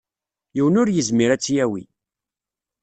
Yiwen ur yezmir ad tt-yawi.